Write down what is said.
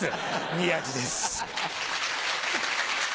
宮治です。